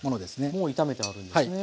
もう炒めてあるんですね。